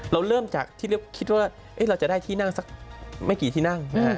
เริ่มจากที่คิดว่าเราจะได้ที่นั่งสักไม่กี่ที่นั่ง